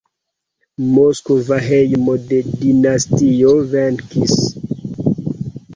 Moskva hejmo de dinastio venkis.